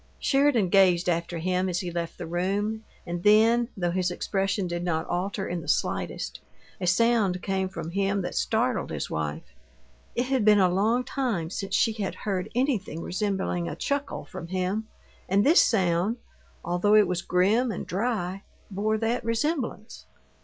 Sheridan gazed after him as he left the room, and then, though his expression did not alter in the slightest, a sound came from him that startled his wife. It had been a long time since she had heard anything resembling a chuckle from him, and this sound although it was grim and dry bore that resemblance.